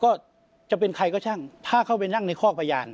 ก็จะเป็นใครก็ช่างถ้าเข้าไปนั่งในคอกพยาน